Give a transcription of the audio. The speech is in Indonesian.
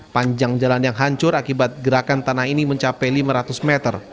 panjang jalan yang hancur akibat gerakan tanah ini mencapai lima ratus meter